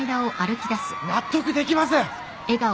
納得できません。